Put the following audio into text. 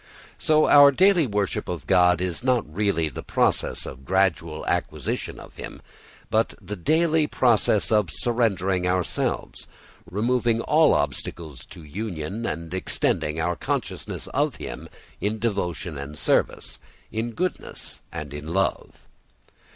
So our daily worship of God is not really the process of gradual acquisition of him, but the daily process of surrendering ourselves, removing all obstacles to union and extending our consciousness of him in devotion and service, in goodness and in love.